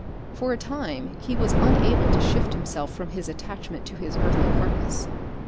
For a time he was unable to shift himself from his attachment to his earthly carcass.